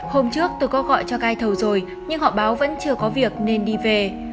hôm trước tôi có gọi cho cai thầu rồi nhưng họ báo vẫn chưa có việc nên đi về